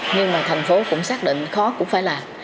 nhưng mà thành phố cũng xác định khó cũng phải làm